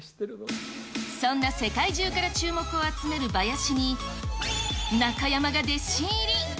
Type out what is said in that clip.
そんな世界中から注目を集めるバヤシに、中山が弟子入り。